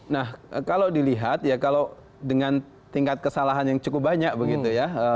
nah kalau dilihat ya kalau dengan tingkat kesalahan yang cukup banyak begitu ya